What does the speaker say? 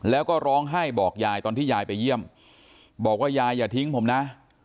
แล้วก็ร้องไห้บอกยายตอนที่ยายไปเยี่ยมบอกว่ายายอย่าทิ้งผมนะ